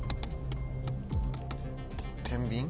てんびん？